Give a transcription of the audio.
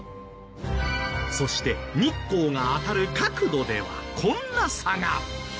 そして日光が当たる角度ではこんな差が。